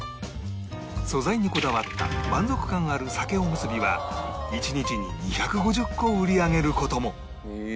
素材にこだわった満足感ある鮭おむすびは１日に２５０個売り上げる事も